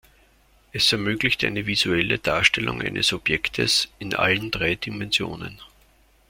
Es ermöglicht eine visuelle Darstellung eines Objektes in allen drei Dimensionen.